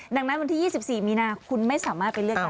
ดังนั้นวันที่๒๔มีนาคุณไม่สามารถไปเลือกได้